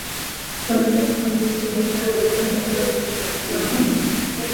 mataifa mengine ya Ulaya Katika miongo iliyofuata